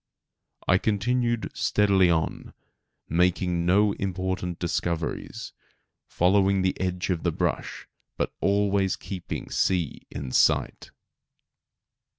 I continued steadily on, making no important discoveries, following the edge of the brush, but always keeping the sea in sight.